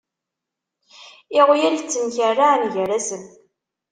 Iɣyal ttemkerrɛan gar-asen.